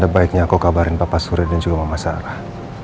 baiknya aku kabarin bapak surya dan juga mama sarah